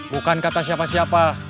bukan kata siapa siapa